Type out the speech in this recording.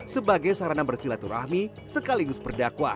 sebagai sarana bersilaturahmi sekaligus berdakwah